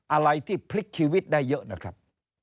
อะไรที่พลิกชีวิตได้เยอะนะครับ